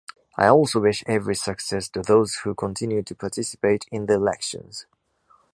I also wish every success to those who continue to participate in the elections.